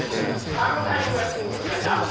あのタイミングがやっぱ難しい。